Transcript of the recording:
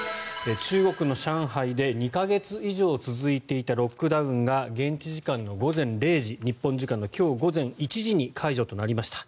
中国の上海で２か月以上続いていたロックダウンが現地時間の午前０時日本時間の今日午前１時に解除となりました。